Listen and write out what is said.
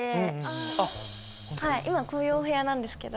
今こういうお部屋なんですけど。